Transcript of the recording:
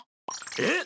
えっ！